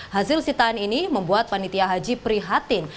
hasil sitaan ini membuat panitia haji prihatin